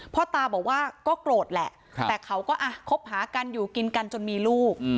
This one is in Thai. พ่อตาบอกว่าก็โกรธแหละแต่เขาก็คบหากันอยู่กินกันจนมีลูก